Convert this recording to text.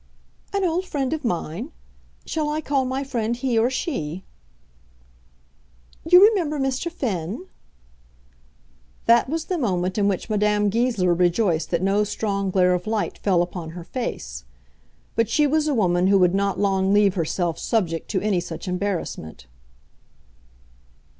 "An old friend of mine! Shall I call my friend he or she?" "You remember Mr. Finn?" That was the moment in which Madame Goesler rejoiced that no strong glare of light fell upon her face. But she was a woman who would not long leave herself subject to any such embarrassment.